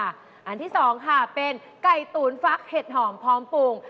อันที่๒ค่ะเป็นไก่ตุ๋นฟักเห็ดหอมพร้อมปรุง